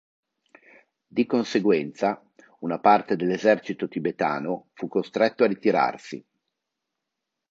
Di conseguenza, una parte dell'esercito tibetano fu costretto a ritirarsi.